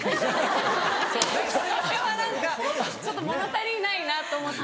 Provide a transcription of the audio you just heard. それは何かちょっと物足りないなと思って。